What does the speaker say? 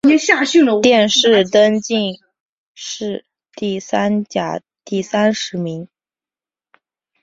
殿试登进士第三甲第三十名。